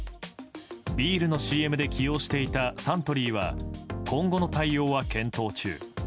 ビールのＣＭで起用していたサントリーは今後の対応は検討中。